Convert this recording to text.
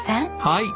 はい。